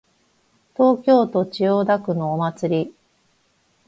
東京都千代田区のお祭り